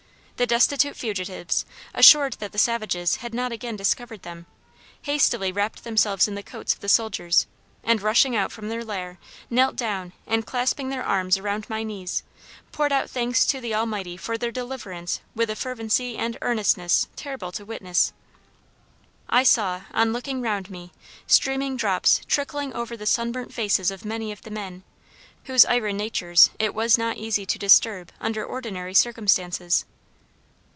The destitute fugitives, assured that the savages had not again discovered them, hastily wrapped themselves in the coats of the soldiers, and, rushing out from their lair, knelt down, and clasping their arms round my knees, poured out thanks to the Almighty for their deliverance with a fervency and earnestness terrible to witness. I saw, on looking round me, streaming drops trickling over the sunburnt faces of many of the men, whose iron natures it was not easy to disturb under ordinary circumstances.